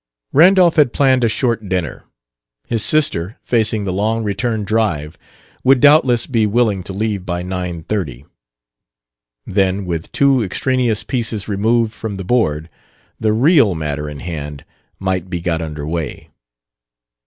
Randolph had planned a short dinner. His sister, facing the long return drive, would doubtless be willing to leave by nine thirty. Then, with two extraneous pieces removed from the board, the real matter in hand might be got under way.